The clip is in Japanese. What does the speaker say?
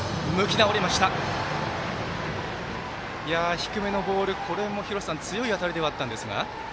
低めのボール、これも強い当たりではあったんですが。